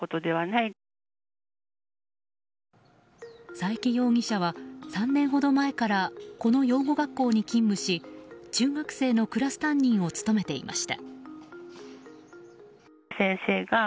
佐伯容疑者は３年ほど前からこの養護学校に勤務し中学生のクラス担任を務めていました。